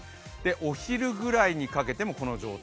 お昼ぐらいにかけてもこの状態。